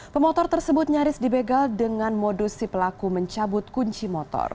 pemotor tersebut nyaris dibegal dengan modus si pelaku mencabut kunci motor